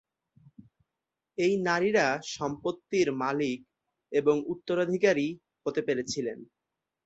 এই নারীরা সম্পত্তির মালিক এবং উত্তরাধিকারী হতে পেরেছিলেন।